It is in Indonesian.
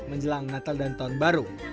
menjelang natal dan tahun baru